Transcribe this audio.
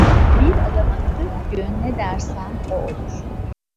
Bir adama kırk gün ne dersen o olur.